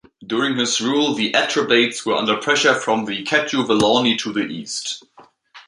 During his rule, the Atrebates were under pressure from the Catuvellauni to the east.